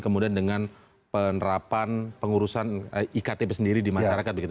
kemudian dengan penerapan pengurusan iktp sendiri di masyarakat begitu